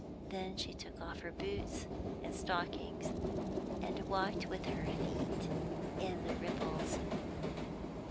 Then she took off her boots and stockings, and walked with her feet in the ripples.